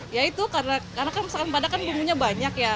ya itu karena kan padang kan bumbunya banyak ya